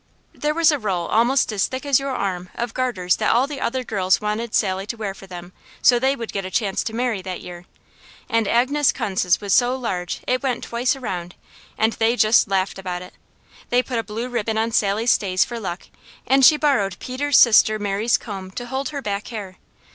There was a roll almost as thick as your arm of garters that all the other girls wanted Sally to wear for them so they would get a chance to marry that year, and Agnes Kuntz's was so large it went twice around, and they just laughed about it. They put a blue ribbon on Sally's stays for luck, and she borrowed Peter's sister Mary's comb to hold her back hair.